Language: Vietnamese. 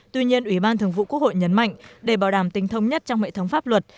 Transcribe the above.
tuy nhiên ủy ban thường vụ quốc hội nhấn mạnh để bảo đảm tính thông nhất trong hệ thống pháp luật